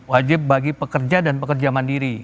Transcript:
wajib bagi pekerja dan pekerja mandiri